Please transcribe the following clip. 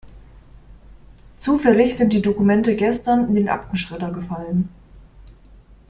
Zufällig sind die Dokumente gestern in den Aktenschredder gefallen.